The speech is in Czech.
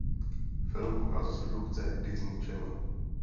Film pochází z produkce Disney Channel.